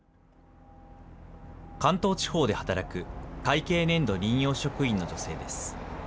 関東地方で働く会計年度任用職員の女性です。